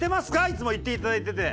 いつも言っていただいてて。